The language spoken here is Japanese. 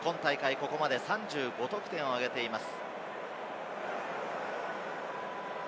ここまで３５得点を挙げています。